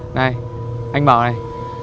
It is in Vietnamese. này anh bảo này